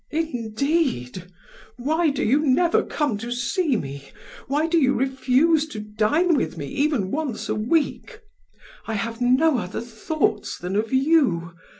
"Indeed! Why do you never come to see me? Why do you refuse to dine with me even once a week? I have no other thoughts than of you.